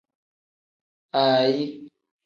Aayi.